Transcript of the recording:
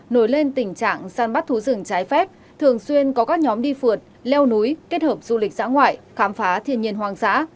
nổi lên tình trạng san bắt thú rừng trái phép thường xuyên có các nhóm đi phượt leo núi kết hợp du lịch xã ngoại khám phá thiên nhiên hoang dã